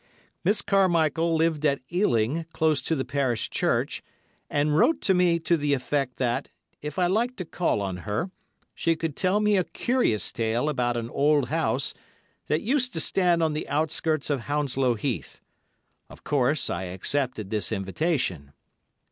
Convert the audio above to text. Miss Carmichael lived at Ealing, close to the Parish Church, and wrote to me to the effect that, if I liked to call on her, she could tell me a curious tale about an old house that used to stand on the outskirts of Hounslow Heath. Of course I accepted this invitation.